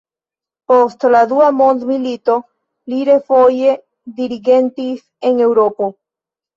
Post la dua mondmilito, li refoje dirigentis en Eŭropo.